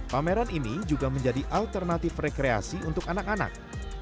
pameran ini juga menjadi alternatif rekreasi untuk anak anak